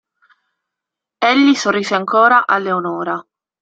Egli sorrise ancora a Leonora.